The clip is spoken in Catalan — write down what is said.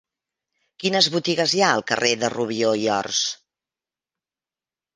Quines botigues hi ha al carrer de Rubió i Ors?